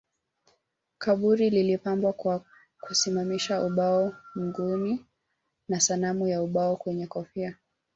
Kaburi lilipambwa kwa kusimamisha ubao mguuni na sanamu ya ubao wenye kofia